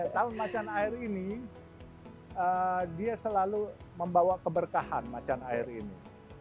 tahun macan air ini dia selalu membawa keberkahan macan air ini